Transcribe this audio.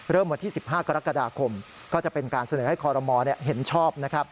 เริ่มวันที่๑๕กรกฎาคมก็จะเป็นการเสนอให้คดมเห็นชอบ